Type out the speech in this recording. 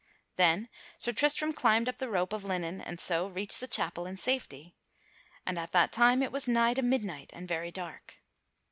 Then Sir Tristram climbed up the rope of linen and so reached the chapel in safety. And at that time it was nigh to midnight and very dark.